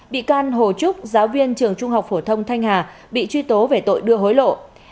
bị can hồ trúc giáo viên trường trung học phổ thông thanh hà bị truy tố về tội đưa hối lộ